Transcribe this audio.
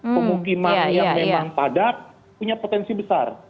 pemukiman yang memang padat punya potensi besar